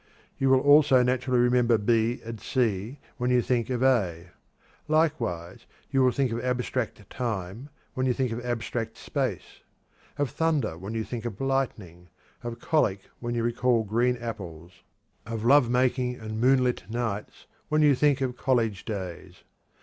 You will also naturally remember b and c when you think of a. Likewise, you will think of abstract time when you think of abstract space, of thunder when you think of lightning, of colic when you recall green apples, of love making and moonlight nights when you think of college days.